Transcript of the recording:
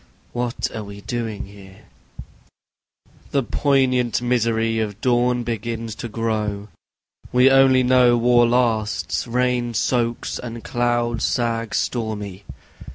What are we doing here? The poignant misery of dawn begins to grow ... We only know war lasts, rain soaks, and clouds sag stormy.